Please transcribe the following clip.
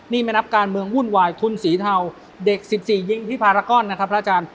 นี่ไม่นับการเมืองวุ่นวายทุนสีเทาเด็ก๑๔ยิงที่พารากรนะครับพระอาจารย์